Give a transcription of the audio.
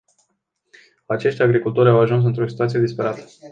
Acești agricultori au ajuns într-o situație disperată.